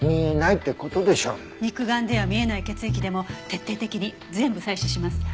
肉眼では見えない血液でも徹底的に全部採取します。